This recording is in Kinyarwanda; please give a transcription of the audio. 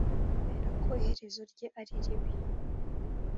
kuberako iherezo rye ariribi